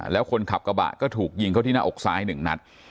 แล้วคนขับกระบะก็ถูกยิงเข้าที่หน้าอกซ้าย๑นัด